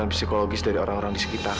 terima kasih ya sayang